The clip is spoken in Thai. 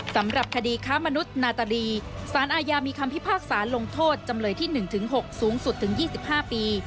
สำหรับคดีค้ามนุษย์นาตรีสารอาญามีคำพิพากษาลงโทษจำเลยที่๑๖สูงสุดถึง๒๕ปี